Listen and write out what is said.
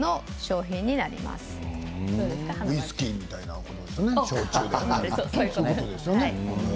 ウイスキーみたいな感じですよね。